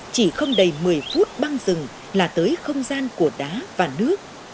chỉ không đầy một mươi phút băng rừng là tới không gian của đá và nước